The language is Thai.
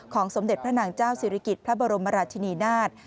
สมเด็จพระนางเจ้าศิริกิจพระบรมราชินีนาฏ